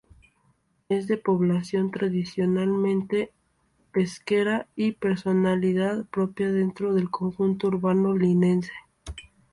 Es de población tradicionalmente pesquera y personalidad propia dentro del conjunto urbano linense.